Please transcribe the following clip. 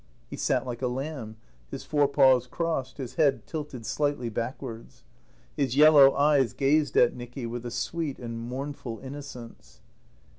He sat like a lamb, his forepaws crossed, his head tilted slightly backwards. His yellow eyes gazed at Nicky with a sweet and mournful innocence.